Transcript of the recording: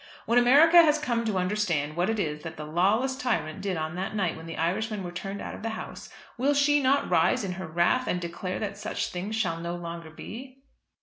When America has come to understand what it is that the lawless tyrant did on that night when the Irishmen were turned out of the House, will she not rise in her wrath, and declare that such things shall no longer be?"